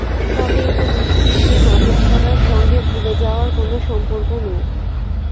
তবে এটা নিশ্চিত যে মাদক ছাড়ার সঙ্গে ভুলে যাওয়ার কোনো সম্পর্ক নেই।